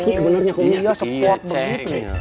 lagi benernya kum iya sekuat begitu